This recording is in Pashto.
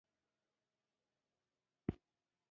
دا د انسان خلاق طبیعت څرګندوي.